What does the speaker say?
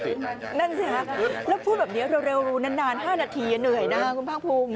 นั่นสิฮะแล้วพูดแบบนี้เร็วนาน๕นาทีเหนื่อยนะครับคุณภาคภูมิ